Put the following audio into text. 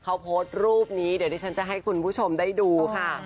เขาโพสต์รูปนี้เดี๋ยวที่ฉันจะให้คุณผู้ชมได้ดูค่ะ